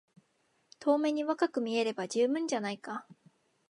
遠目に若く見えれば充分じゃないか。